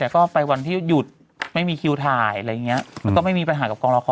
แต่ก็ไปวันที่หยุดไม่มีคิวถ่ายมันก็ไม่มีปัญหากับกองละคร